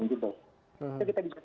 ini adalah hal yang harus ditegurkan